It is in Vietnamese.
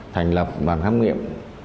thành lập bàn khám nghiệm